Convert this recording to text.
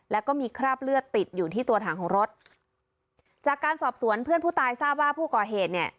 แล้วก็มีคราบเลือดติดอยู่ที่ตัวถังของรถจากการสอบสวนเพื่อนผู้ตายทราบว่าผู้ก่อเหตุเนี่ย